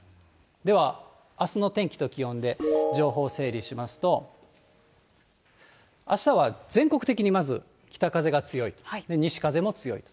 では、あすの天気と気温で情報整理しますと、あしたは全国的にまず北風が強い、西風も強い。